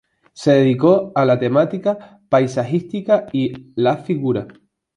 Se dedicó a la temática paisajística y la figura.